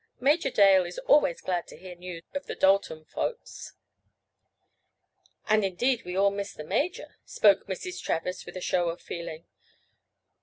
Major Dale is always glad to hear news of the Dalton folks." "And indeed we all miss the major," spoke Mrs. Travers with a show of feeling.